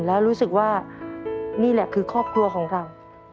แล้วรู้สึกว่านี่แหละคือครอบครัวของเรา